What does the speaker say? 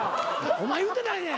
お前言うてないねん。